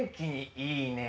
いいね！